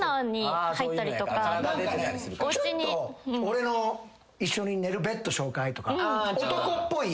俺の一緒に寝るベッド紹介とか男っぽい。